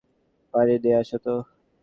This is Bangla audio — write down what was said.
পানি নিয়ে আসো তো।